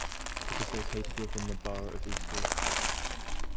It is located within the borough of Eastleigh.